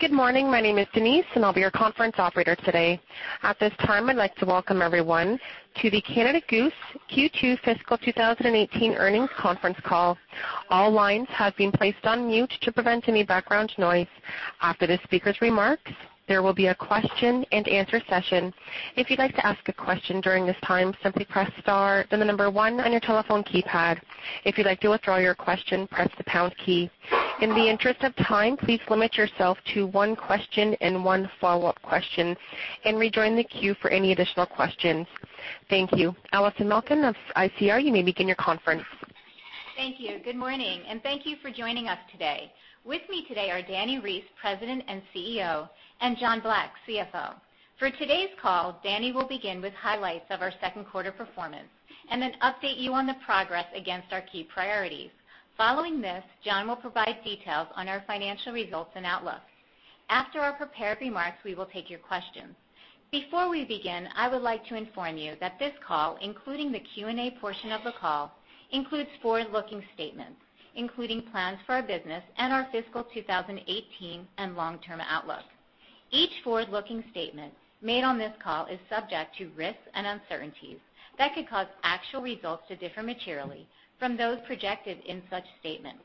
Good morning. My name is Denise, and I'll be your conference operator today. At this time, I'd like to welcome everyone to the Canada Goose Q2 Fiscal 2018 Earnings Conference Call. All lines have been placed on mute to prevent any background noise. After the speakers' remarks, there will be a question and answer session. If you'd like to ask a question during this time, simply press star, then the number one on your telephone keypad. If you'd like to withdraw your question, press the pound key. In the interest of time, please limit yourself to one question and one follow-up question and rejoin the queue for any additional questions. Thank you. Allison Malkin of ICR, you may begin your conference. Thank you. Good morning, and thank you for joining us today. With me today are Dani Reiss, President and CEO, and John Black, CFO. For today's call, Dani will begin with highlights of our second quarter performance and then update you on the progress against our key priorities. Following this, John will provide details on our financial results and outlook. After our prepared remarks, we will take your questions. Before we begin, I would like to inform you that this call, including the Q&A portion of the call, includes forward-looking statements, including plans for our business and our fiscal 2018 and long-term outlook. Each forward-looking statement made on this call is subject to risks and uncertainties that could cause actual results to differ materially from those projected in such statements.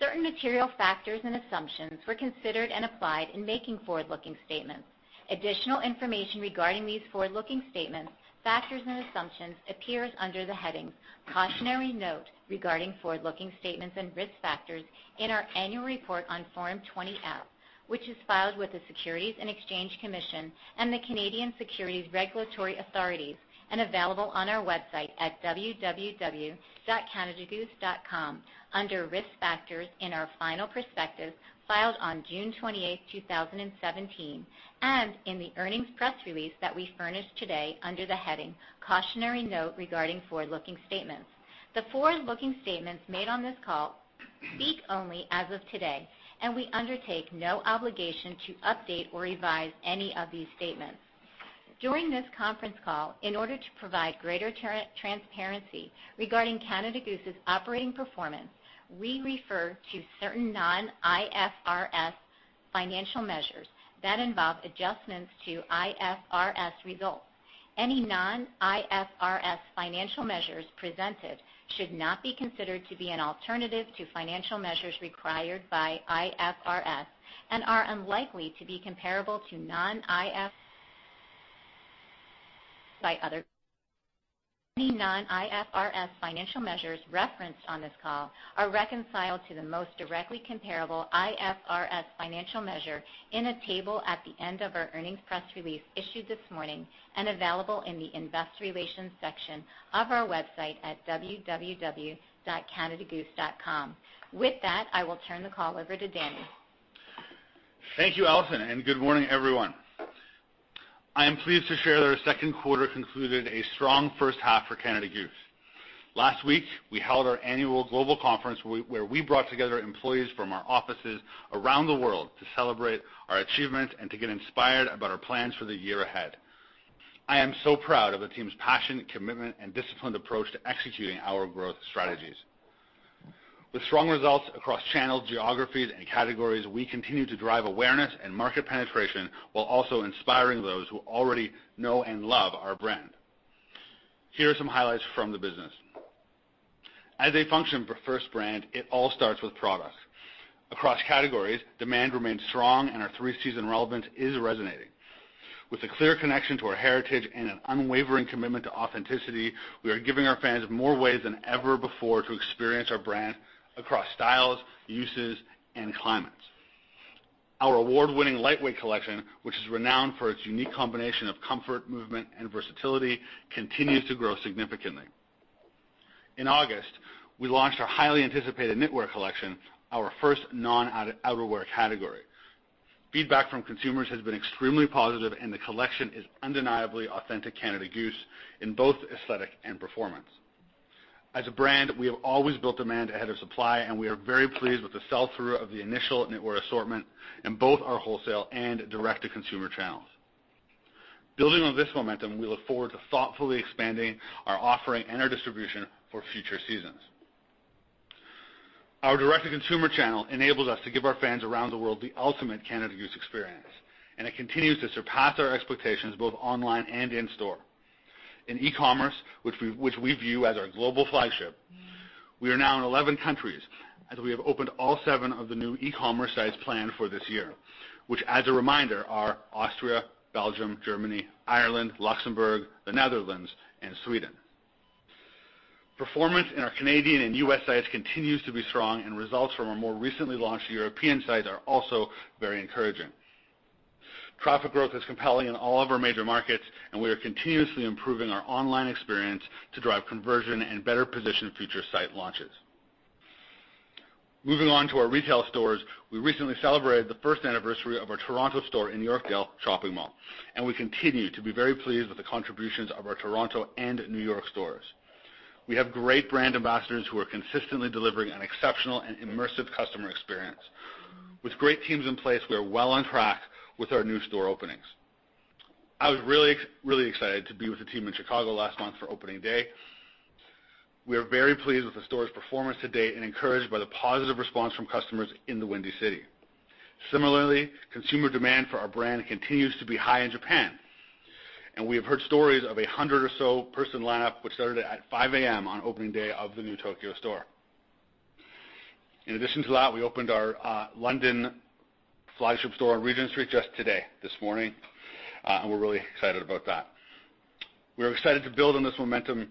Certain material factors and assumptions were considered and applied in making forward-looking statements. Additional information regarding these forward-looking statements, factors, and assumptions appear under the headings "Cautionary Note Regarding Forward-Looking Statements and Risk Factors" in our annual report on Form 20-F, which is filed with the Securities and Exchange Commission and the Canadian Securities Administrators and available on our website at www.canadagoose.com under Risk Factors in our final prospectus filed on June 28th, 2017, and in the earnings press release that we furnished today under the heading "Cautionary Note Regarding Forward-Looking Statements." The forward-looking statements made on this call speak only as of today. We undertake no obligation to update or revise any of these statements. During this conference call, in order to provide greater transparency regarding Canada Goose's operating performance, we refer to certain non-IFRS financial measures that involve adjustments to IFRS results. Any non-IFRS financial measures presented should not be considered to be an alternative to financial measures required by IFRS and are unlikely to be comparable to Any non-IFRS financial measures referenced on this call are reconciled to the most directly comparable IFRS financial measure in a table at the end of our earnings press release issued this morning and available in the Investor Relations section of our website at www.canadagoose.com. With that, I will turn the call over to Dani. Thank you, Allison, and good morning, everyone. I am pleased to share that our second quarter concluded a strong first half for Canada Goose. Last week, we held our annual global conference where we brought together employees from our offices around the world to celebrate our achievements and to get inspired about our plans for the year ahead. I am so proud of the team's passion, commitment, and disciplined approach to executing our growth strategies. With strong results across channels, geographies, and categories, we continue to drive awareness and market penetration while also inspiring those who already know and love our brand. Here are some highlights from the business. As a fashion-first brand, it all starts with products. Across categories, demand remains strong, and our three-season relevance is resonating. With a clear connection to our heritage and an unwavering commitment to authenticity, we are giving our fans more ways than ever before to experience our brand across styles, uses, and climates. Our award-winning lightweight collection, which is renowned for its unique combination of comfort, movement, and versatility, continues to grow significantly. In August, we launched our highly anticipated knitwear collection, our first non-outerwear category. Feedback from consumers has been extremely positive, and the collection is undeniably authentic Canada Goose in both aesthetic and performance. As a brand, we have always built demand ahead of supply, and we are very pleased with the sell-through of the initial knitwear assortment in both our wholesale and direct-to-consumer channels. Building on this momentum, we look forward to thoughtfully expanding our offering and our distribution for future seasons. Our direct-to-consumer channel enables us to give our fans around the world the ultimate Canada Goose experience, and it continues to surpass our expectations both online and in store. In e-commerce, which we view as our global flagship, we are now in 11 countries as we have opened all seven of the new e-commerce sites planned for this year, which as a reminder, are Austria, Belgium, Germany, Ireland, Luxembourg, the Netherlands, and Sweden. Performance in our Canadian and U.S. sites continues to be strong, and results from our more recently launched European sites are also very encouraging. Traffic growth is compelling in all of our major markets, and we are continuously improving our online experience to drive conversion and better position future site launches. Moving on to our retail stores, we recently celebrated the first anniversary of our Toronto store in Yorkdale Shopping Mall, and we continue to be very pleased with the contributions of our Toronto and New York stores. We have great brand ambassadors who are consistently delivering an exceptional and immersive customer experience. With great teams in place, we are well on track with our new store openings. I was really excited to be with the team in Chicago last month for opening day. We are very pleased with the store's performance to date and encouraged by the positive response from customers in the Windy City. Similarly, consumer demand for our brand continues to be high in Japan, and we have heard stories of a 100 or so person lineup, which started at 5:00 A.M. on opening day of the new Tokyo store. In addition to that, we opened our London flagship store on Regent Street just today, this morning, and we're really excited about that. We are excited to build on this momentum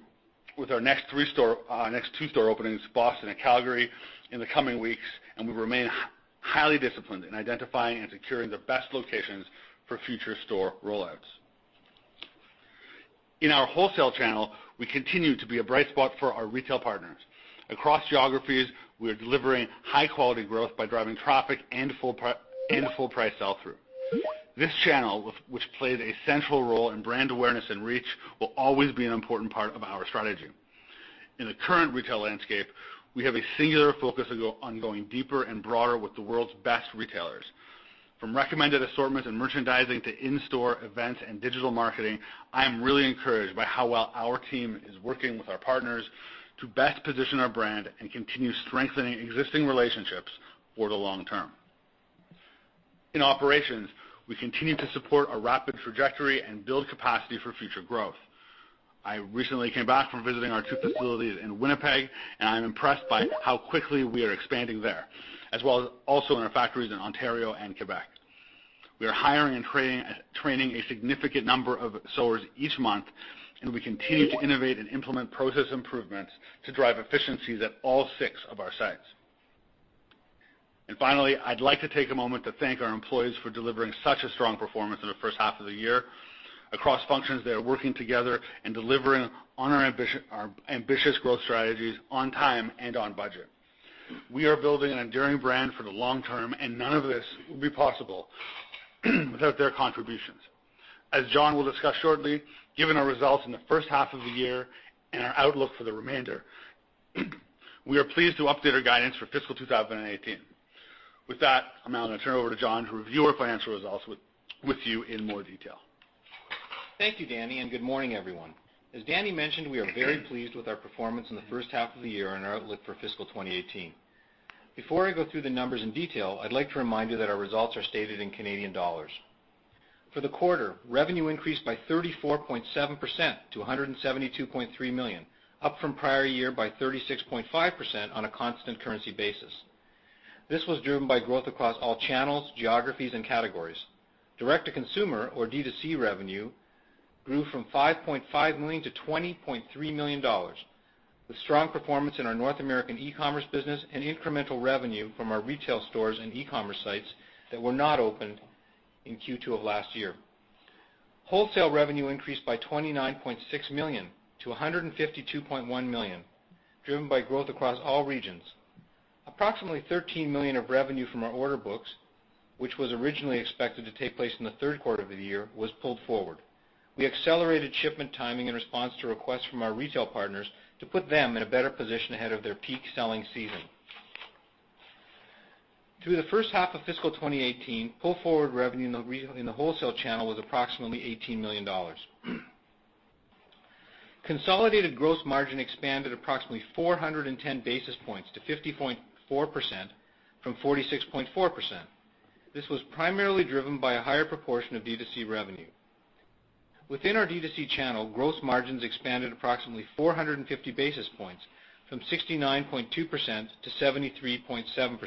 with our next two store openings, Boston and Calgary, in the coming weeks, and we remain highly disciplined in identifying and securing the best locations for future store rollouts. In our wholesale channel, we continue to be a bright spot for our retail partners. Across geographies, we are delivering high-quality growth by driving traffic and full-price sell-through. This channel, which plays a central role in brand awareness and reach, will always be an important part of our strategy. In the current retail landscape, we have a singular focus on going deeper and broader with the world's best retailers. From recommended assortment and merchandising to in-store events and digital marketing, I am really encouraged by how well our team is working with our partners to best position our brand and continue strengthening existing relationships for the long term. In operations, we continue to support a rapid trajectory and build capacity for future growth. I recently came back from visiting our two facilities in Winnipeg, and I'm impressed by how quickly we are expanding there, as well as also in our factories in Ontario and Quebec. We are hiring and training a significant number of sewers each month, we continue to innovate and implement process improvements to drive efficiencies at all six of our sites. Finally, I'd like to take a moment to thank our employees for delivering such a strong performance in the first half of the year. Across functions, they are working together and delivering on our ambitious growth strategies on time and on budget. We are building an enduring brand for the long term, and none of this would be possible without their contributions. As John will discuss shortly, given our results in the first half of the year and our outlook for the remainder, we are pleased to update our guidance for fiscal 2018. With that, I'm now going to turn it over to John to review our financial results with you in more detail. Thank you, Dani, and good morning, everyone. As Dani mentioned, we are very pleased with our performance in the first half of the year and our outlook for fiscal 2018. Before I go through the numbers in detail, I'd like to remind you that our results are stated in Canadian dollars. For the quarter, revenue increased by 34.7% to 172.3 million, up from prior year by 36.5% on a constant currency basis. This was driven by growth across all channels, geographies, and categories. Direct-to-consumer, or D2C revenue, grew from 5.5 million to 20.3 million dollars, with strong performance in our North American e-commerce business and incremental revenue from our retail stores and e-commerce sites that were not opened in Q2 of last year. Wholesale revenue increased by 29.6 million to 152.1 million, driven by growth across all regions. Approximately 13 million of revenue from our order books, which was originally expected to take place in the third quarter of the year, was pulled forward. We accelerated shipment timing in response to requests from our retail partners to put them in a better position ahead of their peak selling season. Through the first half of fiscal 2018, pull-forward revenue in the wholesale channel was approximately 18 million dollars. Consolidated gross margin expanded approximately 410 basis points to 50.4% from 46.4%. This was primarily driven by a higher proportion of D2C revenue. Within our D2C channel, gross margins expanded approximately 450 basis points from 69.2% to 73.7%,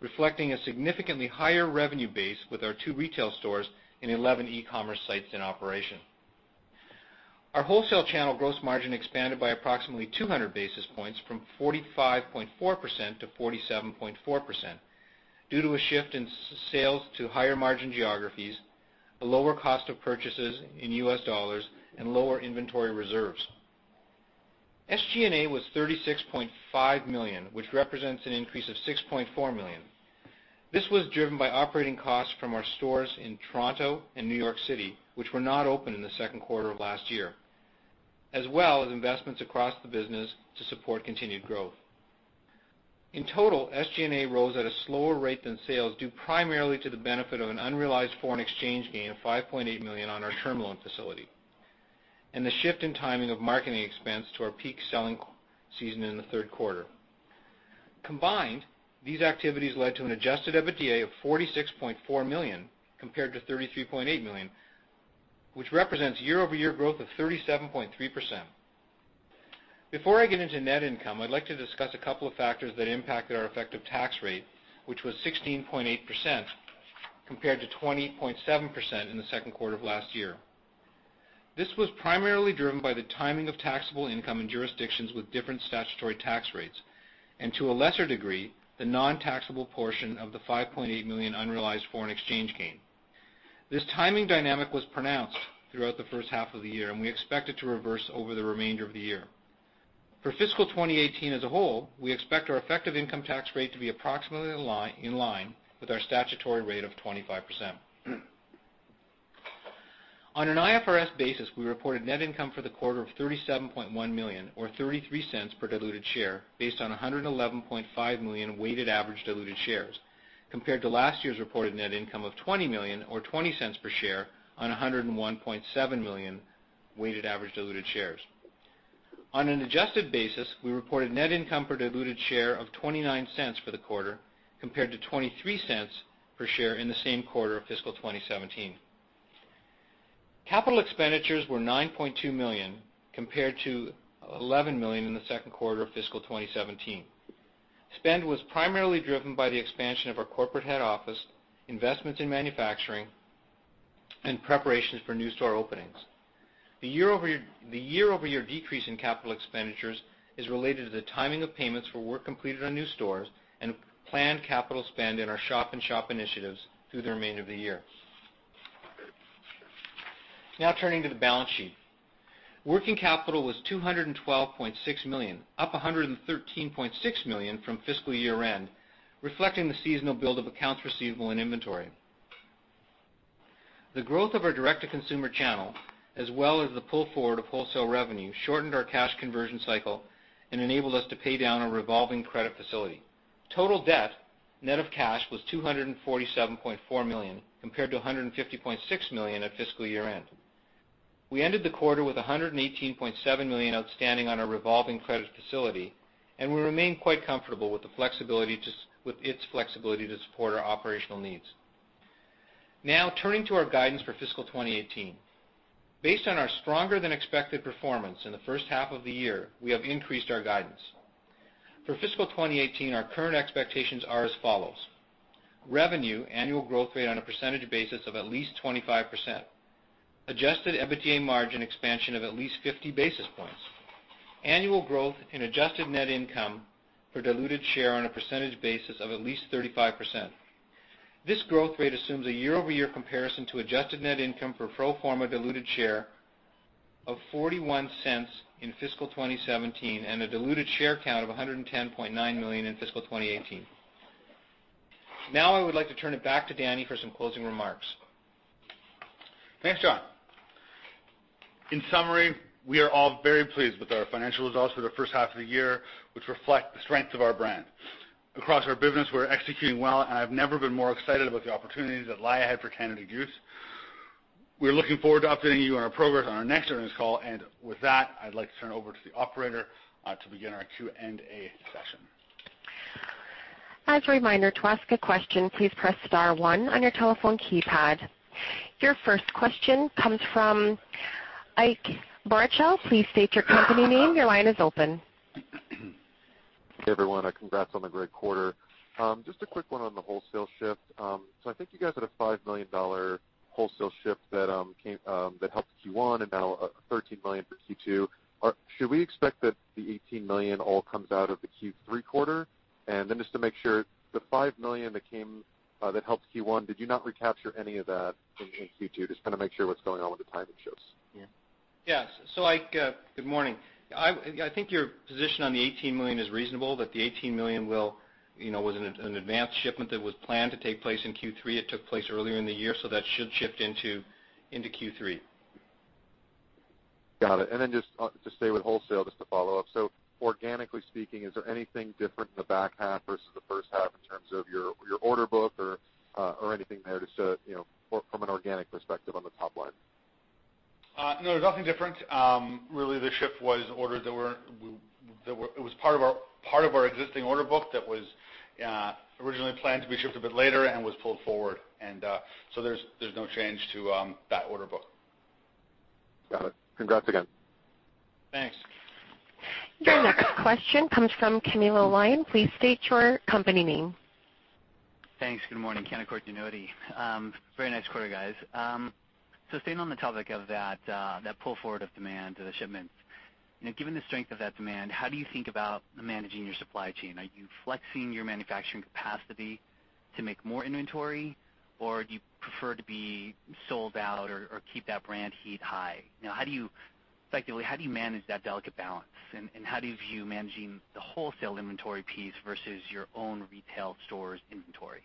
reflecting a significantly higher revenue base with our two retail stores and 11 e-commerce sites in operation. Our wholesale channel gross margin expanded by approximately 200 basis points from 45.4% to 47.4%, due to a shift in sales to higher-margin geographies, a lower cost of purchases in U.S. dollars, and lower inventory reserves. SG&A was 36.5 million, which represents an increase of 6.4 million. This was driven by operating costs from our stores in Toronto and New York City, which were not open in the second quarter of last year, as well as investments across the business to support continued growth. In total, SG&A rose at a slower rate than sales due primarily to the benefit of an unrealized foreign exchange gain of 5.8 million on our term loan facility and the shift in timing of marketing expense to our peak selling season in the third quarter. Combined, these activities led to an adjusted EBITDA of 46.4 million, compared to 33.8 million, which represents year-over-year growth of 37.3%. Before I get into net income, I'd like to discuss a couple of factors that impacted our effective tax rate, which was 16.8% compared to 20.7% in the second quarter of last year. This was primarily driven by the timing of taxable income in jurisdictions with different statutory tax rates, and to a lesser degree, the non-taxable portion of the 5.8 million unrealized foreign exchange gain. This timing dynamic was pronounced throughout the first half of the year, and we expect it to reverse over the remainder of the year. For fiscal 2018 as a whole, we expect our effective income tax rate to be approximately in line with our statutory rate of 25%. On an IFRS basis, we reported net income for the quarter of 37.1 million or 0.33 per diluted share based on 111.5 million weighted average diluted shares, compared to last year's reported net income of 20 million or 0.20 per share on 101.7 million weighted average diluted shares. On an adjusted basis, we reported net income per diluted share of 0.29 for the quarter, compared to 0.23 per share in the same quarter of fiscal 2017. Capital expenditures were 9.2 million, compared to 11 million in the second quarter of fiscal 2017. Spend was primarily driven by the expansion of our corporate head office, investments in manufacturing, and preparations for new store openings. The year-over-year decrease in capital expenditures is related to the timing of payments for work completed on new stores and planned capital spend in our shop-in-shop initiatives through the remainder of the year. Turning to the balance sheet. Working capital was 212.6 million, up 113.6 million from fiscal year-end, reflecting the seasonal build of accounts receivable and inventory. The growth of our direct-to-consumer channel, as well as the pull forward of wholesale revenue, shortened our cash conversion cycle and enabled us to pay down our revolving credit facility. Total debt, net of cash, was 247.4 million, compared to 150.6 million at fiscal year-end. We ended the quarter with 118.7 million outstanding on our revolving credit facility. We remain quite comfortable with its flexibility to support our operational needs. Turning to our guidance for fiscal 2018. Based on our stronger than expected performance in the first half of the year, we have increased our guidance. For fiscal 2018, our current expectations are as follows: Revenue annual growth rate on a percentage basis of at least 25%. Adjusted EBITDA margin expansion of at least 50 basis points. Annual growth in adjusted net income for diluted share on a percentage basis of at least 35%. This growth rate assumes a year-over-year comparison to adjusted net income for pro forma diluted share of 0.41 in fiscal 2017, a diluted share count of 110.9 million in fiscal 2018. I would like to turn it back to Dani for some closing remarks. Thanks, John. In summary, we are all very pleased with our financial results for the first half of the year, which reflect the strength of our brand. Across our business, we're executing well. I've never been more excited about the opportunities that lie ahead for Canada Goose. We're looking forward to updating you on our progress on our next earnings call. With that, I'd like to turn it over to the operator to begin our Q&A session. As a reminder, to ask a question, please press star 1 on your telephone keypad. Your first question comes from Ike Boruchow. Please state your company name. Your line is open. Hey, everyone, and congrats on the great quarter. Just a quick one on the wholesale shift. I think you guys had a CAD 5 million wholesale shift that helped Q1 and now CAD 13 million for Q2. Should we expect that the CAD 18 million all comes out of the Q3 quarter? Just to make sure, the CAD 5 million that helped Q1, did you not recapture any of that in Q2? Just kind of make sure what's going on with the timing shifts. Yes. Ike, good morning. I think your position on the 18 million is reasonable, that the 18 million was an advanced shipment that was planned to take place in Q3. It took place earlier in the year, so that should shift into Q3. Got it. Just to stay with wholesale, just to follow up. Organically speaking, is there anything different in the back half versus the first half in terms of your order book or anything there just from an organic perspective on the top line? No, nothing different. Really the shift was orders that it was part of our existing order book that was originally planned to be shipped a bit later and was pulled forward. There's no change to that order book. Got it. Congrats again. Thanks. Your next question comes from Camilo Lyon. Please state your company name. Thanks. Good morning. Canaccord Genuity. Very nice quarter, guys. Staying on the topic of that pull forward of demand or the shipments. Given the strength of that demand, how do you think about managing your supply chain? Are you flexing your manufacturing capacity to make more inventory, or do you prefer to be sold out or keep that brand heat high? Effectively, how do you manage that delicate balance, and how do you view managing the wholesale inventory piece versus your own retail stores inventory?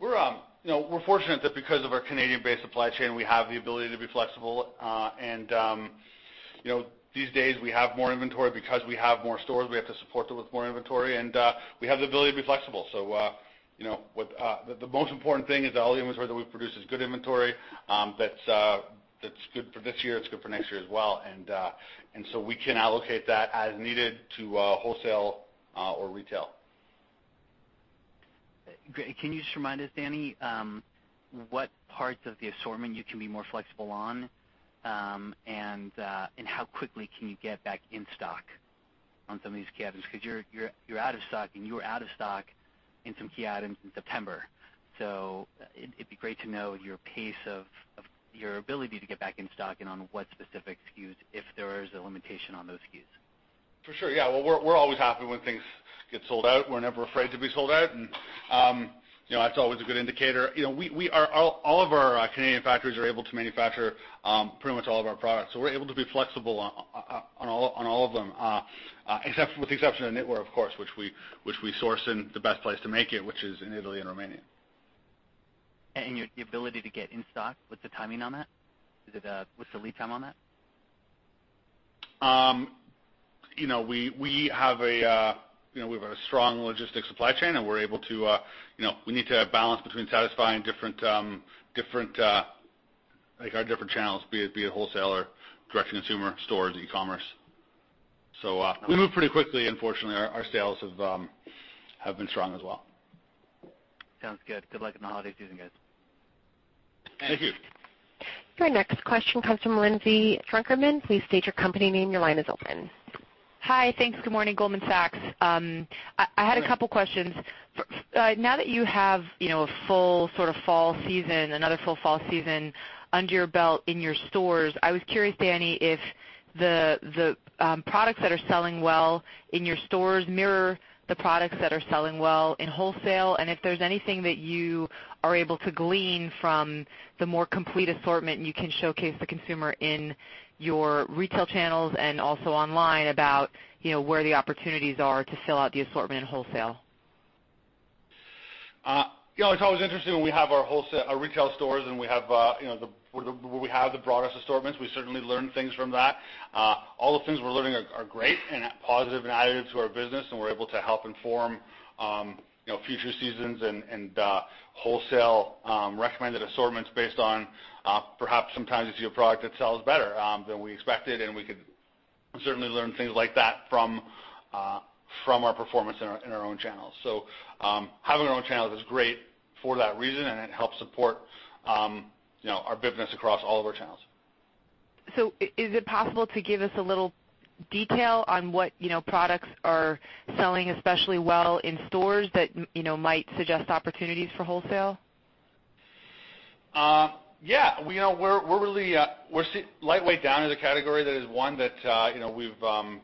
We're fortunate that because of our Canadian-based supply chain, we have the ability to be flexible. These days we have more inventory because we have more stores, we have to support them with more inventory, and we have the ability to be flexible. The most important thing is that all the inventory that we produce is good inventory that's good for this year, it's good for next year as well. We can allocate that as needed to wholesale or retail. Can you just remind us, Dani, what parts of the assortment you can be more flexible on? How quickly can you get back in stock on some of these key items? Because you're out of stock, and you were out of stock in some key items in September. It'd be great to know your pace of your ability to get back in stock and on what specific SKUs, if there is a limitation on those SKUs. For sure. Yeah. Well, we're always happy when things get sold out. We're never afraid to be sold out, that's always a good indicator. All of our Canadian factories are able to manufacture pretty much all of our products. We're able to be flexible on all of them, with the exception of knitwear, of course, which we source in the best place to make it, which is in Italy and Romania. Your ability to get in stock, what's the timing on that? What's the lead time on that? We have a strong logistics supply chain, we need to have balance between satisfying our different channels, be it wholesaler, direct consumer, stores, e-commerce. We move pretty quickly. Fortunately, our sales have been strong as well. Sounds good. Good luck in the holiday season, guys. Thank you. Your next question comes from Lindsay Drucker Mann. Please state your company name. Your line is open. Hi. Thanks. Good morning, Goldman Sachs. I had a couple questions. Now that you have a full sort of fall season, another full fall season under your belt in your stores, I was curious, Dani, if the products that are selling well in your stores mirror the products that are selling well in wholesale, and if there's anything that you are able to glean from the more complete assortment you can showcase the consumer in your retail channels and also online about where the opportunities are to fill out the assortment in wholesale. It's always interesting when we have our retail stores and where we have the broadest assortments. We certainly learn things from that. All the things we're learning are great and a positive additive to our business, and we're able to help inform future seasons and wholesale recommended assortments based on perhaps sometimes you see a product that sells better than we expected, and we could certainly learn things like that from our performance in our own channels. Having our own channels is great for that reason, and it helps support our business across all of our channels. Is it possible to give us a little detail on what products are selling especially well in stores that might suggest opportunities for wholesale? Yeah. Lightweight down as a category. That is one that we've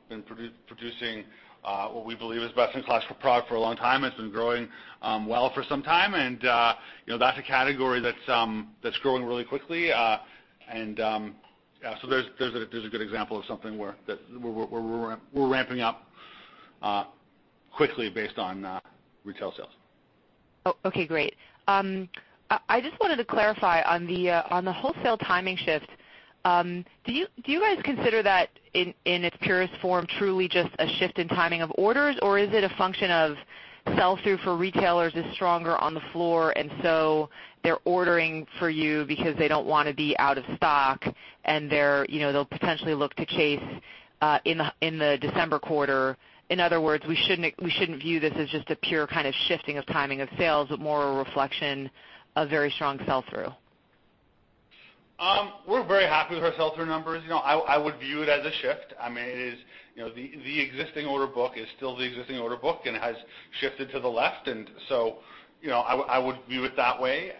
been producing what we believe is best-in-class for product for a long time. It's been growing well for some time, and that's a category that's growing really quickly. There's a good example of something where we're ramping up quickly based on retail sales. Okay, great. I just wanted to clarify on the wholesale timing shift. Do you guys consider that in its purest form, truly just a shift in timing of orders, or is it a function of sell-through for retailers is stronger on the floor, and so they're ordering for you because they don't want to be out of stock, and they'll potentially look to chase in the December quarter. In other words, we shouldn't view this as just a pure kind of shifting of timing of sales, but more a reflection of very strong sell-through. We're very happy with our sell-through numbers. I would view it as a shift. The existing order book is still the existing order book and has shifted to the left. I would view it that way.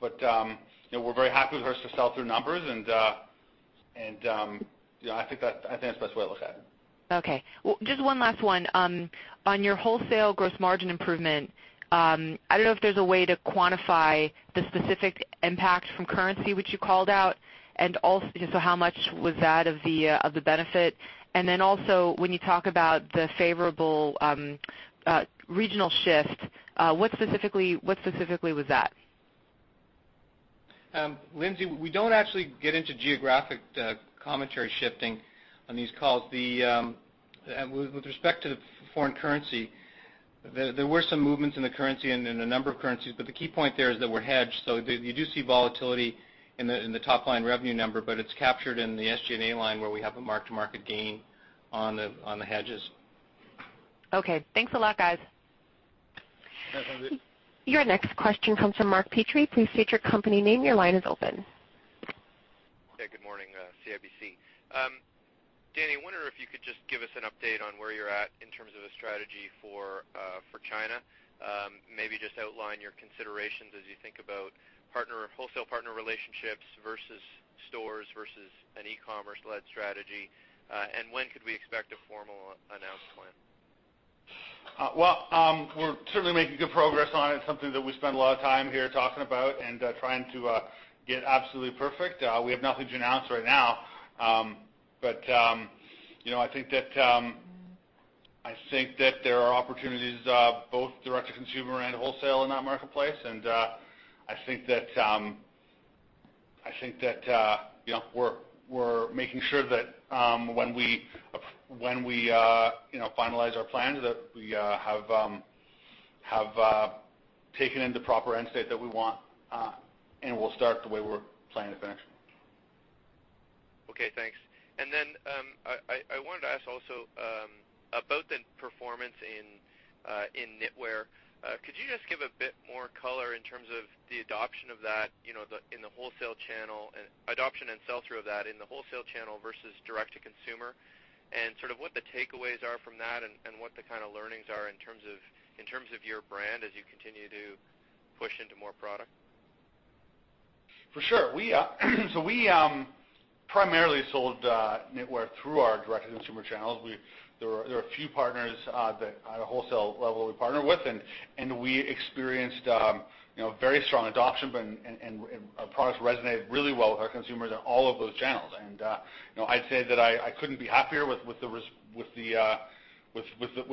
We're very happy with our sell-through numbers, and I think that's the best way to look at it. Okay. Just one last one. On your wholesale gross margin improvement, I don't know if there's a way to quantify the specific impact from currency which you called out, how much was that of the benefit? When you talk about the favorable regional shift, what specifically was that? Lindsay, we don't actually get into geographic commentary shifting on these calls. With respect to the foreign currency, there were some movements in the currency and in a number of currencies. The key point there is that we're hedged. You do see volatility in the top-line revenue number, but it's captured in the SG&A line where we have a mark-to-market gain on the hedges. Okay. Thanks a lot, guys. Your next question comes from Mark Petrie. Please state your company name. Your line is open. Hey, good morning. CIBC. Dani, I wonder if you could just give us an update on where you're at in terms of the strategy for China. Maybe just outline your considerations as you think about wholesale partner relationships versus stores versus an e-commerce-led strategy. When could we expect a formal announced plan? Well, we're certainly making good progress on it. It's something that we spend a lot of time here talking about and trying to get absolutely perfect. We have nothing to announce right now. I think that there are opportunities both direct-to-consumer and wholesale in that marketplace. I think that we're making sure that when we finalize our plans, that we have taken in the proper end state that we want, and we'll start the way we're planning to finish. Okay, thanks. I wanted to ask also about the performance in knitwear. Could you just give a bit more color in terms of the adoption of that in the wholesale channel, and adoption and sell-through of that in the wholesale channel versus direct-to-consumer, sort of what the takeaways are from that and what the kind of learnings are in terms of your brand as you continue to push into more product? For sure. We primarily sold knitwear through our direct-to-consumer channels. There are a few partners that at a wholesale level we partner with, and we experienced very strong adoption and our products resonated really well with our consumers in all of those channels. I'd say that I couldn't be happier with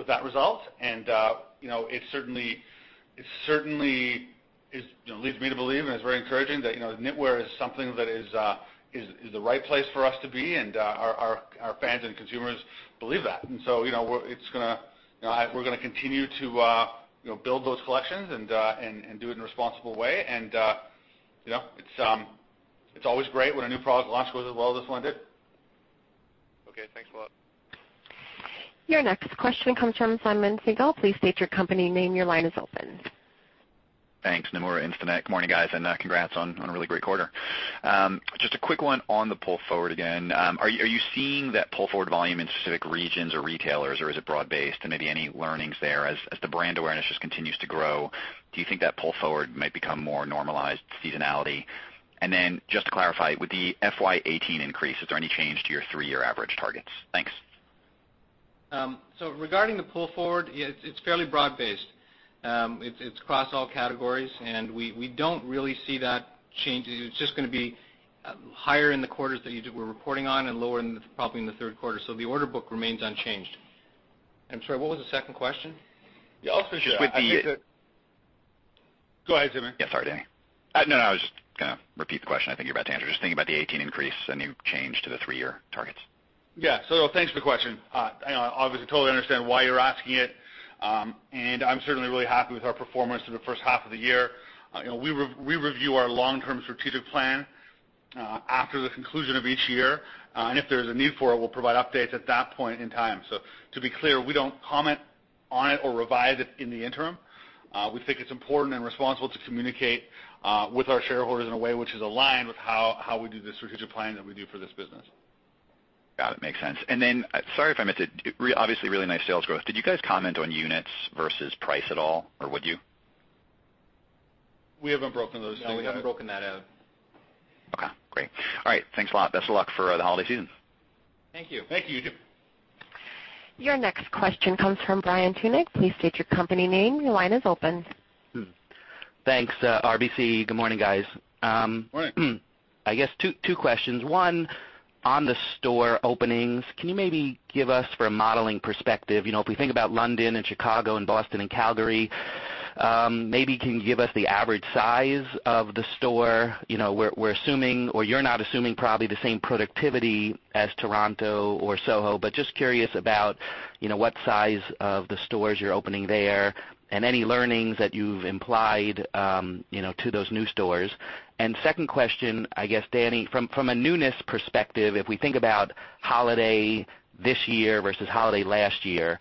that result, and it certainly leads me to believe, and it's very encouraging that knitwear is something that is the right place for us to be, and our fans and consumers believe that. We're going to continue to build those collections and do it in a responsible way. It's always great when a new product launch goes as well as this one did. Okay. Thanks a lot. Your next question comes from Simeon Siegel. Please state your company name. Your line is open. Thanks. Nomura Instinet. Morning, guys, congrats on a really great quarter. Just a quick one on the pull forward again. Are you seeing that pull forward volume in specific regions or retailers, or is it broad based? Maybe any learnings there as the brand awareness just continues to grow. Do you think that pull forward might become more normalized seasonality? Just to clarify, with the FY 2018 increase, is there any change to your three-year average targets? Thanks. Regarding the pull forward, it's fairly broad based. It's across all categories, and we don't really see that change. It's just going to be higher in the quarters that we're reporting on and lower probably in the third quarter. The order book remains unchanged. I'm sorry, what was the second question? Yeah. I'll switch that. With the- Go ahead, Simeon. Yeah. Sorry, Dani. I was just going to repeat the question I think you're about to answer. Just thinking about the 2018 increase, any change to the three-year targets? Yeah. Thanks for the question. I obviously totally understand why you're asking it. I'm certainly really happy with our performance through the first half of the year. We review our long-term strategic plan after the conclusion of each year. If there's a need for it, we'll provide updates at that point in time. To be clear, we don't comment on it or revise it in the interim. We think it's important and responsible to communicate with our shareholders in a way which is aligned with how we do the strategic plan that we do for this business. Got it. Makes sense. Then, sorry if I missed it. Obviously really nice sales growth. Did you guys comment on units versus price at all, or would you? No, we haven't broken that out. Okay, great. All right. Thanks a lot. Best of luck for the holiday season. Thank you. Thank you. You too. Your next question comes from Brian Tunick. Please state your company name. Your line is open. Thanks. RBC. Good morning, guys. Morning. I guess two questions. One, on the store openings, can you maybe give us for a modeling perspective, if we think about London and Chicago and Boston and Calgary, maybe can you give us the average size of the store? We're assuming, or you're not assuming probably the same productivity as Toronto or Soho, but just curious about what size of the stores you're opening there and any learnings that you've implied to those new stores. Second question, I guess, Dani, from a newness perspective, if we think about holiday this year versus holiday last year,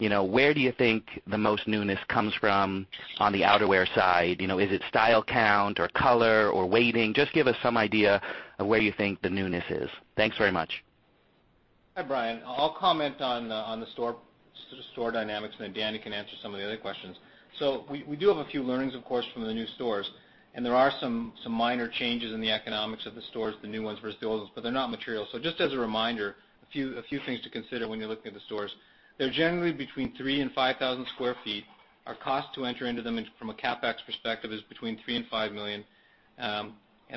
where do you think the most newness comes from on the outerwear side? Is it style count or color or weighting? Just give us some idea of where you think the newness is. Thanks very much. Hi, Brian. I'll comment on the store dynamics, and then Dani can answer some of the other questions. We do have a few learnings, of course, from the new stores. There are some minor changes in the economics of the stores, the new ones versus the old ones, but they're not material. Just as a reminder, a few things to consider when you're looking at the stores. They're generally between 3,000 and 5,000 square feet. Our cost to enter into them from a CapEx perspective is between 3 million and 5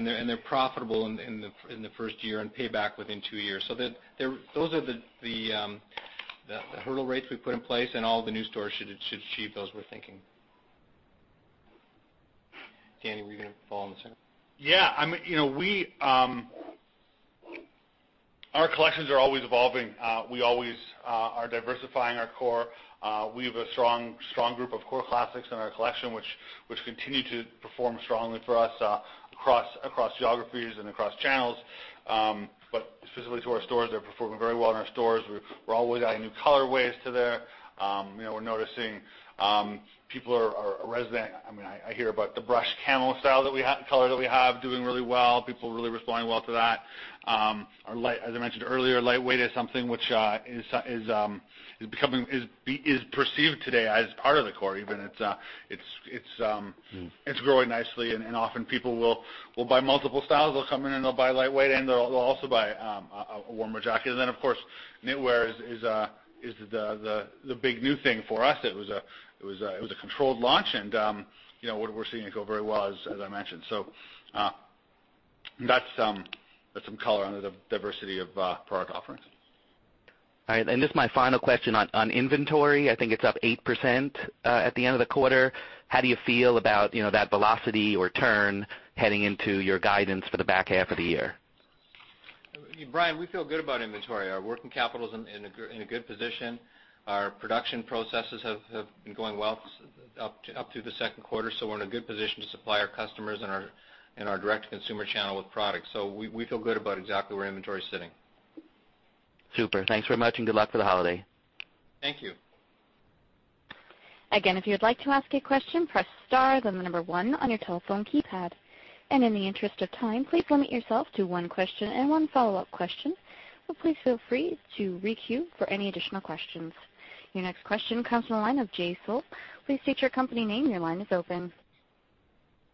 million. They're profitable in the first year and pay back within two years. Those are the hurdle rates we put in place, and all the new stores should achieve those, we're thinking. Dani, were you going to follow on the second? Yeah. Our collections are always evolving. We always are diversifying our core. We have a strong group of core classics in our collection, which continue to perform strongly for us across geographies and across channels. Specifically to our stores, they're performing very well in our stores. We're always adding new colorways to there. We're noticing people are resonant I hear about the brushed camel color that we have doing really well. People are really responding well to that. As I mentioned earlier, lightweight is something which is perceived today as part of the core, even. It's growing nicely, and often people will buy multiple styles. They'll come in and they'll buy lightweight, and they'll also buy a warmer jacket. Then, of course, knitwear is the big new thing for us. It was a controlled launch, what we're seeing it go very well, as I mentioned. That's some color on the diversity of product offerings. All right. This is my final question. On inventory, I think it's up 8% at the end of the quarter. How do you feel about that velocity or turn heading into your guidance for the back half of the year? Brian, we feel good about inventory. Our working capital's in a good position. Our production processes have been going well up through the second quarter, we're in a good position to supply our customers and our direct-to-consumer channel with products. We feel good about exactly where inventory is sitting. Super. Thanks very much, good luck for the holiday. Thank you. Again, if you would like to ask a question, press star, then the number one on your telephone keypad. In the interest of time, please limit yourself to one question and one follow-up question, please feel free to re-queue for any additional questions. Your next question comes from the line of Jay Sole. Please state your company name. Your line is open.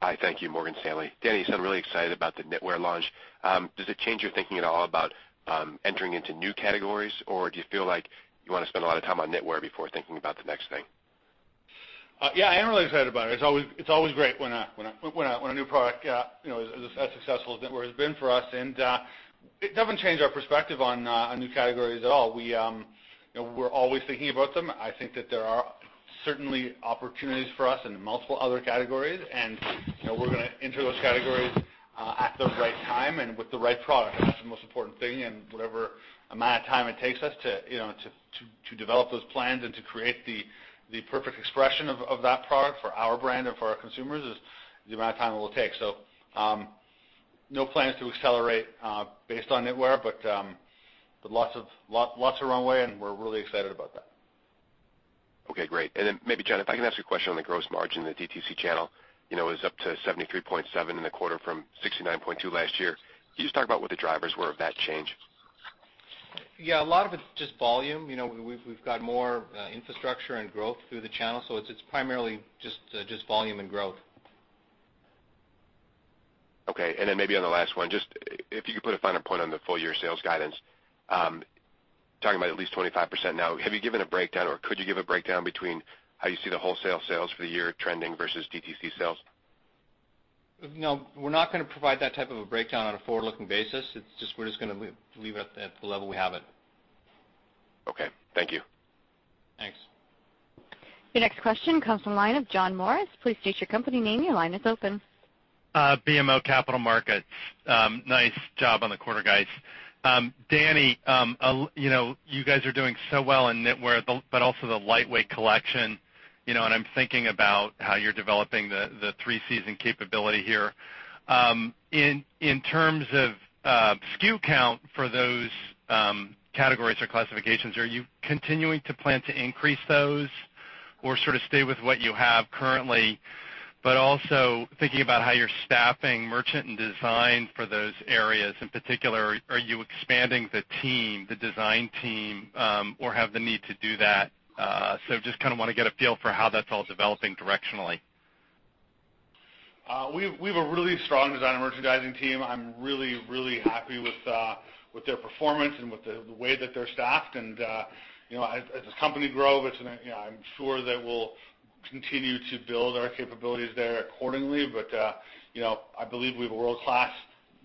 Hi. Thank you. Morgan Stanley. Dani, you sound really excited about the knitwear launch. Does it change your thinking at all about entering into new categories, do you feel like you want to spend a lot of time on knitwear before thinking about the next thing? Yeah, I am really excited about it. It's always great when a new product is as successful as knitwear has been for us, it doesn't change our perspective on new categories at all. We're always thinking about them. I think that there are certainly opportunities for us in multiple other categories, we're going to enter those categories at the right time and with the right product. That's the most important thing, whatever amount of time it takes us to develop those plans and to create the perfect expression of that product for our brand or for our consumers is the amount of time it will take. No plans to accelerate based on knitwear, lots of runway, we're really excited about that. Okay, great. Maybe, John, if I can ask you a question on the gross margin, the DTC channel. It was up to 73.7% in the quarter from 69.2% last year. Can you just talk about what the drivers were of that change? Yeah, a lot of it's just volume. We've got more infrastructure and growth through the channel, so it's primarily just volume and growth. Okay, maybe on the last one, just if you could put a finer point on the full year sales guidance. Talking about at least 25% now. Have you given a breakdown or could you give a breakdown between how you see the wholesale sales for the year trending versus DTC sales? No, we're not going to provide that type of a breakdown on a forward-looking basis. We're just going to leave it at the level we have it. Okay, thank you. Thanks. Your next question comes from the line of John Morris. Please state your company name. Your line is open. BMO Capital Markets. Nice job on the quarter, guys. Dani, you guys are doing so well in knitwear, but also the lightweight collection. I'm thinking about how you're developing the three-season capability here. In terms of SKU count for those categories or classifications, are you continuing to plan to increase those or sort of stay with what you have currently? Also thinking about how you're staffing merchant and design for those areas. In particular, are you expanding the team, the design team, or have the need to do that? Just kind of want to get a feel for how that's all developing directionally. We've a really, really strong design merchandising team. I'm really, really happy with their performance and with the way that they're staffed. As the company grow, I'm sure that we'll continue to build our capabilities there accordingly. I believe we have a world-class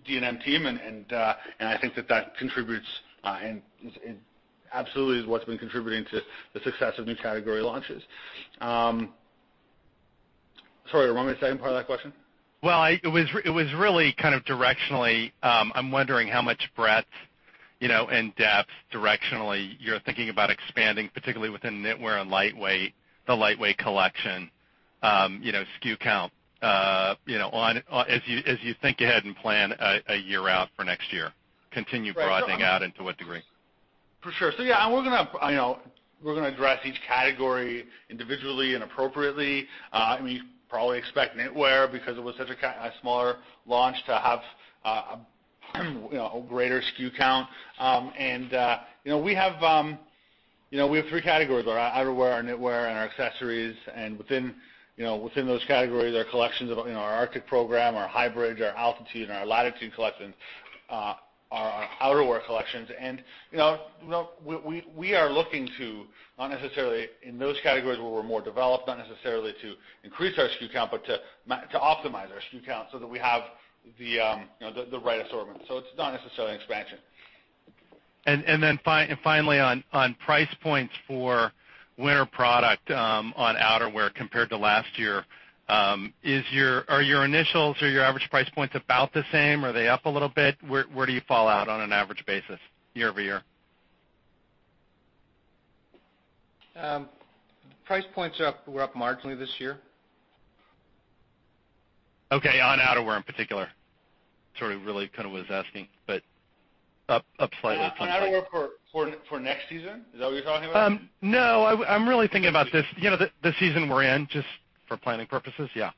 D&M team, and I think that that absolutely is what's been contributing to the success of new category launches. Sorry, remind me the second part of that question? Well, it was really kind of directionally, I'm wondering how much breadth and depth directionally you're thinking about expanding, particularly within knitwear and the lightweight collection, SKU count, as you think ahead and plan a year out for next year. Continue broadening out and to what degree. For sure. Yeah, we're going to address each category individually and appropriately. You probably expect knitwear because it was such a smaller launch to have a greater SKU count. We have three categories, our outerwear, our knitwear, and our accessories. Within those categories, our collections, our Arctic Program, our HyBridge, our Altitude, and our Latitude collections, our outerwear collections. We are looking to not necessarily in those categories where we're more developed, not necessarily to increase our SKU count, but to optimize our SKU count so that we have the right assortment. It's not necessarily an expansion. Finally, on price points for winter product on outerwear compared to last year. Are your initials or your average price points about the same? Are they up a little bit? Where do you fall out on an average basis year-over-year? Price points were up marginally this year. Okay. On outerwear in particular. Sorry, really kind of was asking, but up slightly. On outerwear for next season? Is that what you're talking about? No, I'm really thinking about this, the season we're in, just for planning purposes. Yeah.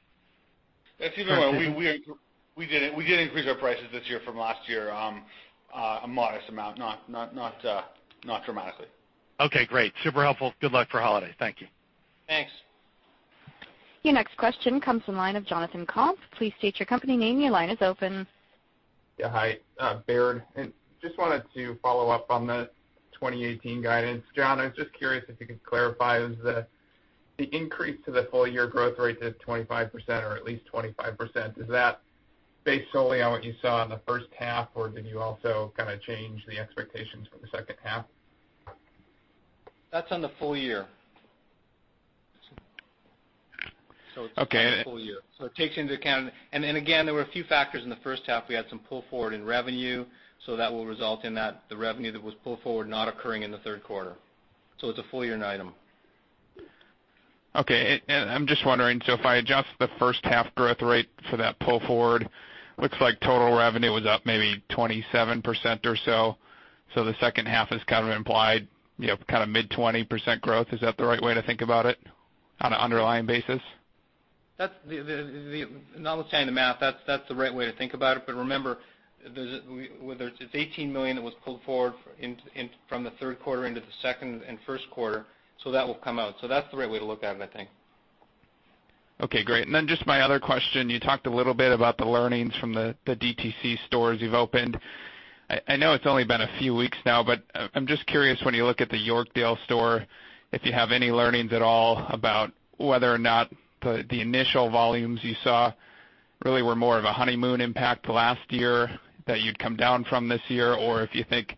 We did increase our prices this year from last year a modest amount, not dramatically. Okay, great. Super helpful. Good luck for holiday. Thank you. Thanks. Your next question comes from the line of Jonathan Komp. Please state your company name. Your line is open. Hi, Baird. Just wanted to follow up on the 2018 guidance. John, I was just curious if you could clarify the increase to the full year growth rate to 25% or at least 25%, is that based solely on what you saw in the first half, or did you also change the expectations for the second half? That's on the full year. Okay. It's full year. It takes into account Again, there were a few factors in the first half. We had some pull forward in revenue, that will result in the revenue that was pulled forward not occurring in the third quarter. It's a full year item. Okay. I'm just wondering, if I adjust the first half growth rate for that pull forward, looks like total revenue was up maybe 27% or so. The second half is kind of implied, kind of mid-20% growth. Is that the right way to think about it on an underlying basis? Not withstanding the math, that's the right way to think about it. Remember, it's 18 million that was pulled forward from the third quarter into the second and first quarter, that will come out. That's the right way to look at it, I think. Okay, great. Then just my other question, you talked a little bit about the learnings from the DTC stores you've opened. I know it's only been a few weeks now, but I'm just curious when you look at the Yorkdale store, if you have any learnings at all about whether or not the initial volumes you saw really were more of a honeymoon impact last year that you'd come down from this year, or if you think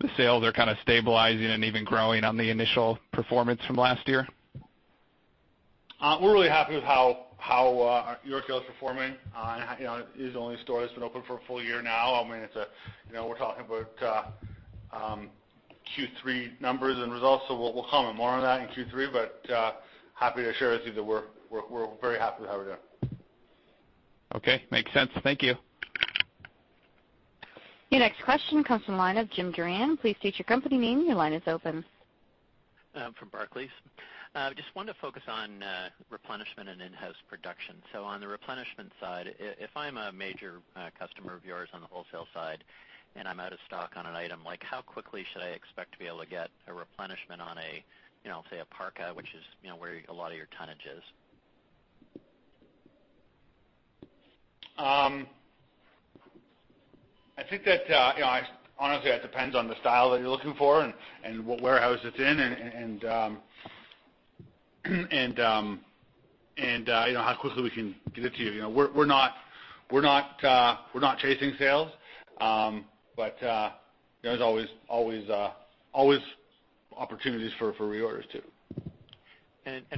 the sales are kind of stabilizing and even growing on the initial performance from last year. We're really happy with how Yorkdale is performing. It is the only store that's been open for a full year now. We're talking about Q3 numbers and results, we'll comment more on that in Q3, but happy to share with you that we're very happy with how we're doing. Okay, makes sense. Thank you. Your next question comes from the line of Jim Durran. Please state your company name. Your line is open. I'm from Barclays. I just wanted to focus on replenishment and in-house production. On the replenishment side, if I'm a major customer of yours on the wholesale side and I'm out of stock on an item, how quickly should I expect to be able to get a replenishment on, say, a parka, which is where a lot of your tonnage is? I think that, honestly, that depends on the style that you're looking for and what warehouse it's in and how quickly we can get it to you. We're not chasing sales. There's always opportunities for reorders, too.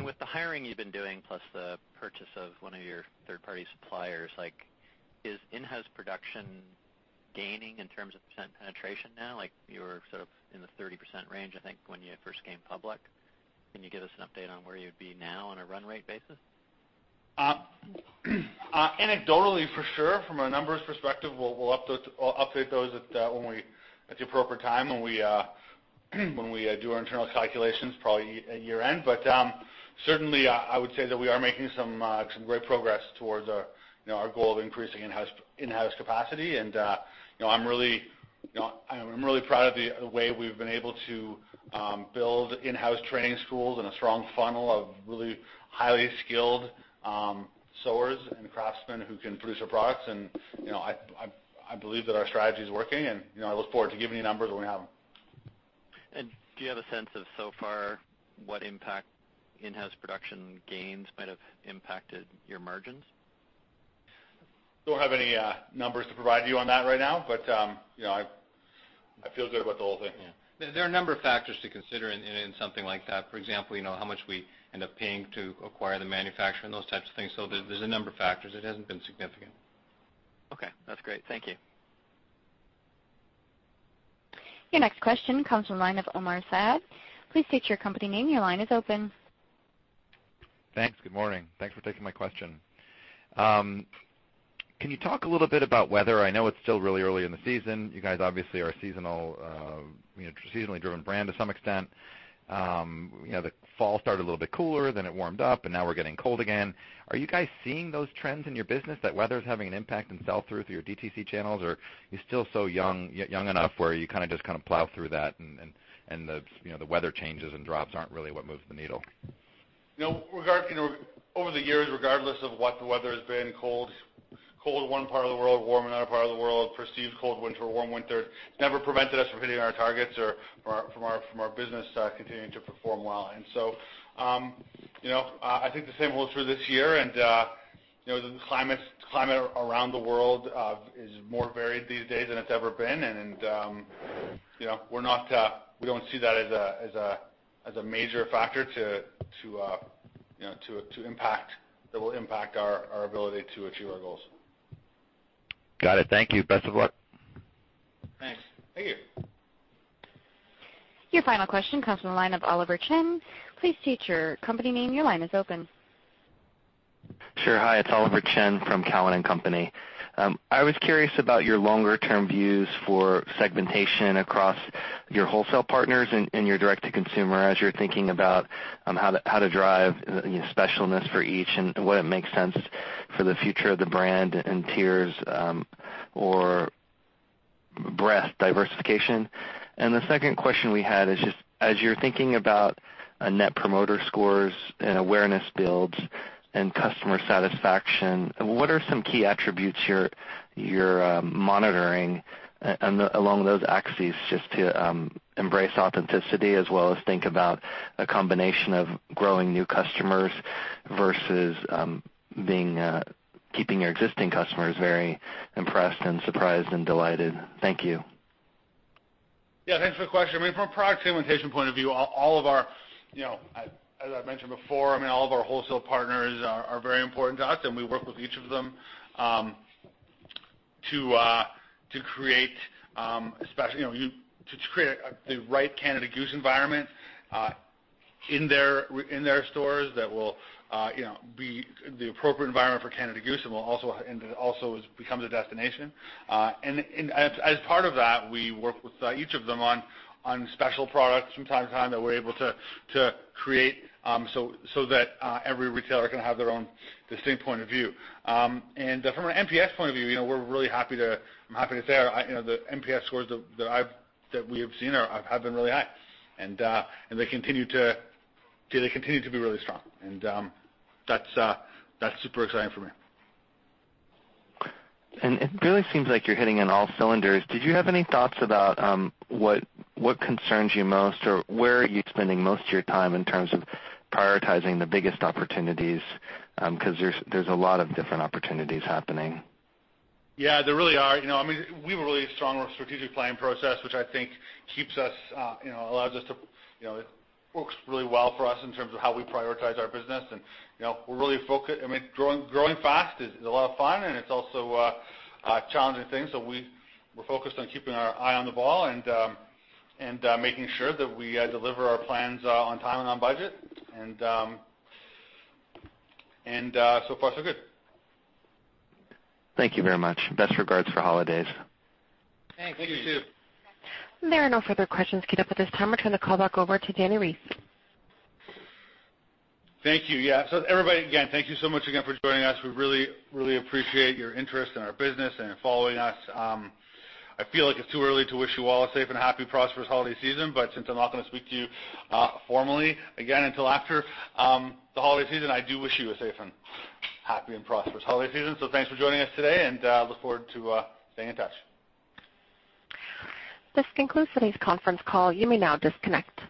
With the hiring you've been doing, plus the purchase of one of your third-party suppliers, is in-house production gaining in terms of percent penetration now? You were sort of in the 30% range, I think, when you first came public. Can you give us an update on where you'd be now on a run rate basis? Anecdotally, for sure. From a numbers perspective, we'll update those at the appropriate time when we do our internal calculations, probably at year-end. Certainly, I would say that we are making some great progress towards our goal of increasing in-house capacity. I'm really proud of the way we've been able to build in-house training schools and a strong funnel of really highly skilled sewers and craftsmen who can produce our products. I believe that our strategy is working, and I look forward to giving you numbers when we have them. Do you have a sense of, so far, what impact in-house production gains might have impacted your margins? Don't have any numbers to provide you on that right now, but I feel good about the whole thing, yeah. There are a number of factors to consider in something like that. For example, how much we end up paying to acquire the manufacturing, those types of things. There's a number of factors. It hasn't been significant. Okay, that's great. Thank you. Your next question comes from the line of Omar Saad. Please state your company name. Your line is open. Thanks. Good morning. Thanks for taking my question. Can you talk a little bit about weather? I know it's still really early in the season. You guys obviously are a seasonally driven brand to some extent. The fall started a little bit cooler, then it warmed up, and now we're getting cold again. Are you guys seeing those trends in your business, that weather is having an impact in sell-through through your D2C channels? Are you still young enough where you kind of just plow through that and the weather changes and drops aren't really what moves the needle? Over the years, regardless of what the weather has been, cold in one part of the world, warm in another part of the world, perceived cold winter or warm winter, never prevented us from hitting our targets or from our business continuing to perform well. I think the same holds true this year. The climate around the world is more varied these days than it's ever been. We don't see that as a major factor that will impact our ability to achieve our goals. Got it. Thank you. Best of luck. Thanks. Thank you. Your final question comes from the line of Oliver Chen. Please state your company name. Your line is open. Sure. Hi, it's Oliver Chen from Cowen and Company. I was curious about your longer-term views for segmentation across your wholesale partners and your direct to consumer, as you're thinking about how to drive specialness for each and what makes sense for the future of the brand and tiers or breadth diversification. The second question we had is just as you're thinking about net promoter scores and awareness builds and customer satisfaction, what are some key attributes you're monitoring along those axes just to embrace authenticity as well as think about a combination of growing new customers versus keeping your existing customers very impressed and surprised and delighted? Thank you. Yeah, thanks for the question. From a product segmentation point of view, as I've mentioned before, all of our wholesale partners are very important to us, and we work with each of them to create the right Canada Goose environment in their stores that will be the appropriate environment for Canada Goose and also becomes a destination. As part of that, we work with each of them on special products from time to time that we're able to create so that every retailer can have their own distinct point of view. From an NPS point of view, I'm happy to say the NPS scores that we have seen have been really high, and they continue to be really strong. That's super exciting for me. It really seems like you're hitting on all cylinders. Did you have any thoughts about what concerns you most, or where are you spending most of your time in terms of prioritizing the biggest opportunities? Because there's a lot of different opportunities happening. There really are. We have a really strong strategic planning process, which I think works really well for us in terms of how we prioritize our business, and we're really focused. Growing fast is a lot of fun, and it's also a challenging thing. We're focused on keeping our eye on the ball and making sure that we deliver our plans on time and on budget. So far, so good. Thank you very much. Best regards for holidays. Thanks. You too. Thank you. There are no further questions queued up at this time. We'll turn the call back over to Dani Reiss. Thank you. Yeah. Everybody, again, thank you so much again for joining us. We really, really appreciate your interest in our business and following us. I feel like it's too early to wish you all a safe and happy, prosperous holiday season, but since I'm not going to speak to you formally again until after the holiday season, I do wish you a safe and happy and prosperous holiday season. Thanks for joining us today, and look forward to staying in touch. This concludes today's conference call. You may now disconnect.